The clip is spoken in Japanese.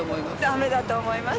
駄目だと思います。